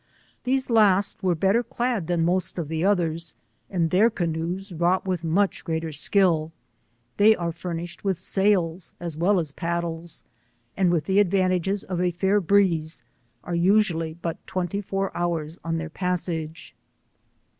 These last were better clad than most of the others, and their canoes wrought with much greater skill; they are furnished with sails as well as paddles, and with the advantage of a fair breeze^ are usually bat twenty, four hours od their passage.